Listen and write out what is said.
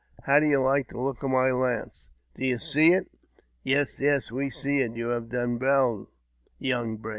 How do you like the look of my lance ? Do you see it ?"" Yes, yes, we see it. You have done well, young brave